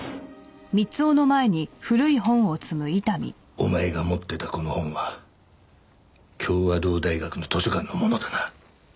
お前が持ってたこの本は協和堂大学の図書館のものだな？